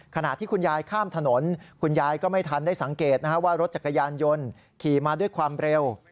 คุณยายนรมน์ข้ามถนนคุณยายนรมน์ก็ไม่ทันได้สังเกตว่ารถจักรยานยนต์ขี่มาด้วยความเร็ว